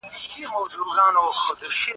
پر وخت واکسين ولګوه